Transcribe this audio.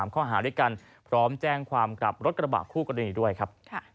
ข้อหาด้วยกันพร้อมแจ้งความกับรถกระบะคู่กรณีด้วยครับ